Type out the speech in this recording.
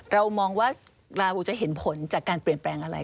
เรามองว่าราหูจะเห็นผลจากการเปลี่ยนแปลงอะไร